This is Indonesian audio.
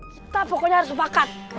kita pokoknya harus berpakat